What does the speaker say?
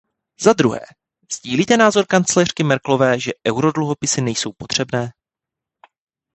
Za druhé, sdílíte názor kancléřky Merkelové, že eurodluhopisy nejsou potřebné?